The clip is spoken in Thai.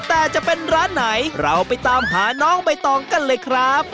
แต่จะเป็นร้านไหนเราไปตามหาน้องใบตองกันเลยครับ